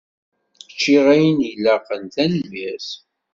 Ččiɣ ayen ilaqen, tanemmirt.